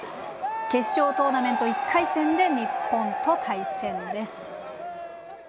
決勝トーナメント１回戦で日本と対戦です。